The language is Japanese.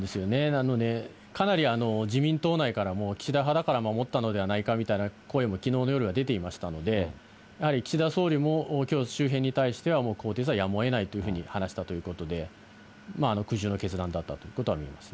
なので、かなり自民党内からも岸田派だから守ったのではないかという声も、きのうの夜は出ていましたので、やはり岸田総理もきょう周辺に対しては、もう更迭はやむをえないというふうに話したということで、苦渋の決断だったということはいえます。